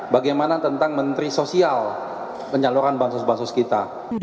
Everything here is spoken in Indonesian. bagaimana tentang menteri sosial penyaluran bansus bansus kita